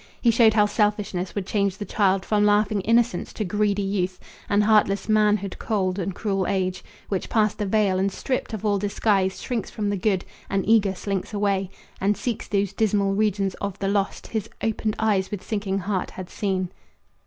He showed how selfishness would change the child From laughing innocence to greedy youth And heartless manhood, cold and cruel age, Which past the vale and stript of all disguise Shrinks from the good, and eager slinks away And seeks those dismal regions of the lost His opened eyes with sinking heart had seen.